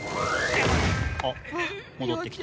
あっ戻ってきた。